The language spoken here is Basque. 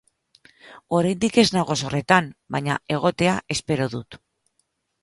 Oraindik ez nago zorretan, baina egotea espero dut.